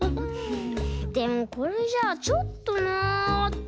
でもこれじゃちょっとなって。